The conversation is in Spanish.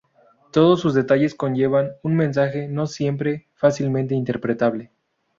Todos sus detalles conllevan un mensaje, no siempre fácilmente interpretable.